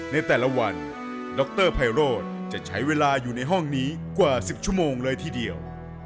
ในแต่ละวันดรไพโรธจะใช้เวลาอยู่ในห้องนี้กว่า๑๐ชั่วโมงเลยทีเดียว